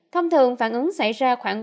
thông thường phản ứng xảy ra trong ba ngày